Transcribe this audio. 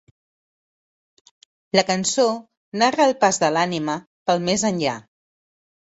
La cançó narra el pas de l'ànima pel més enllà.